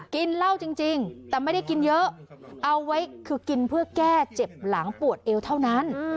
กินเหล้าจริงแต่ไม่ได้กินเยอะเอาไว้คือกินเพื่อแก้เจ็บหลังปวดเอวเท่านั้น